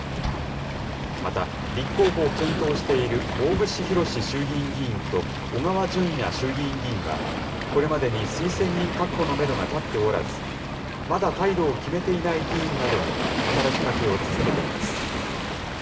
また、立候補を検討している大串博志衆議院議員と小川淳也衆議院議員は、これまでに推薦人確保のメドが立っておらず、まだ態度を決めていない議員などに働きかけを続けています。